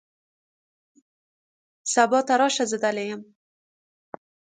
سبا ته راشه ، زه دلې یم .